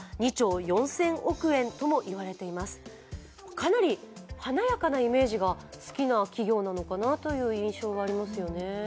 かなり華やかなイメージが好きな企業なのかなという印象がありますよね。